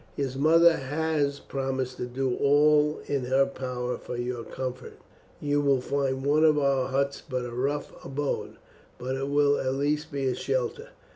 His mother has promised to do all in her power for your comfort. You will find one of our huts but a rough abode, but it will at least be a shelter."